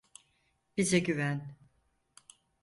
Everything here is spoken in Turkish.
Bize güven.